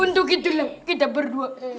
untuk itulah kita berdua